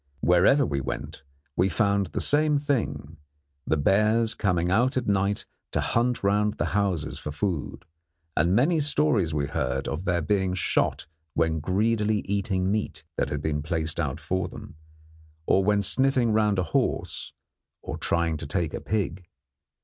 Wherever we went we found the same thing, the bears coming out at night to hunt round the houses for food; and many stories we heard of their being shot when greedily eating meat that had been placed out for them, or when sniffing round a house or trying to take a pig.